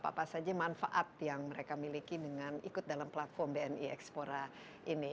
apa apa saja manfaat yang mereka miliki dengan ikut dalam platform bni ekspor ini